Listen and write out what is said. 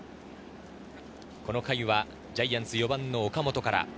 この回はジャイアンツ４番の岡本から。